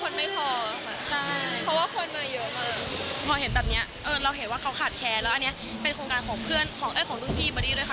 พอเห็นแบบนี้เราเห็นว่าเขาขาดแคลงแล้วอันนี้เป็นโครงการของพี่มาดีเลยค่ะ